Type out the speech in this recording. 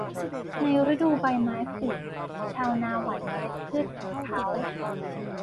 ในฤดูใบไม้ผลิ ชาวนาหว่านเมล็ดพืชของเขา